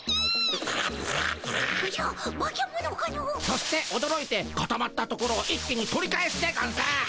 そしておどろいてかたまったところを一気に取り返すでゴンス。